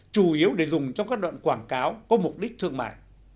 chủ yếu để dùng trong các đoạn quảng cáo có mục đích thương mại